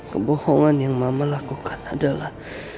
kebohongan yang mama lakukan adalah